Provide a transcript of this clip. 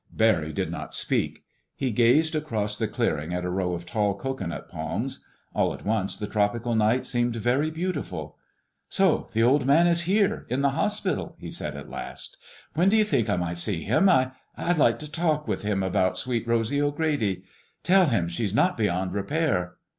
Barry did not speak. He gazed across the clearing at a row of tall cocoanut palms. All at once the tropical night seemed very beautiful. "So the Old Man is here—in this hospital," he said at last. "When do you think I might see him? I—I'd like to talk with him about Sweet Rosy O'Grady ... tell him she's not beyond repair."